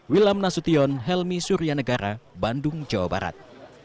wilham nasution helmi suryanegara bandung jawa barat